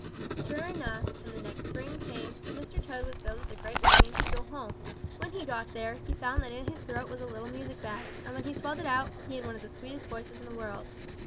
"Sure enough, when the next spring came, Mr. Toad was filled with a great longing to go home. When he got there, he found that in his throat was a little music bag; and when he swelled it out, he had one of the sweetest voices in the world.